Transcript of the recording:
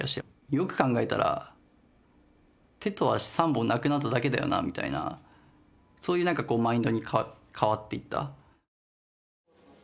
よく考えたら手と足３本なくなっただけだよなみたいな、そういうマインドに変わっていった。